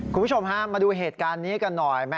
คุณผู้ชมฮะมาดูเหตุการณ์นี้กันหน่อย